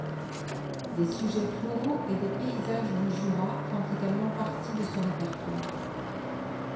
Des sujets floraux et des paysages du Jura font également partie de son répertoire.